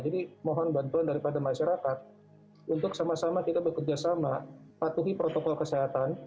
jadi mohon bantuan daripada masyarakat untuk sama sama kita bekerjasama patuhi protokol kesehatan